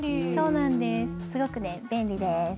すごく便利です。